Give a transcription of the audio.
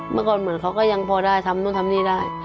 เมื่อก่อนเหมือนเขาก็ยังพอได้ทำนู่นทำนี่ได้